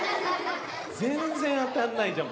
全然当たんないじゃん